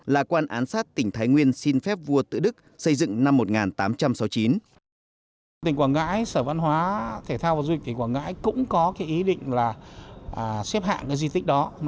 là quan án sát tỉnh thái nguyên xin phép vua tự đức xây dựng năm một nghìn tám trăm sáu mươi chín